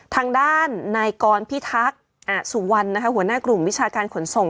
ทางด้านนายกรพิทักษ์อสุวรรณหัวหน้ากลุ่มวิชาการขนส่ง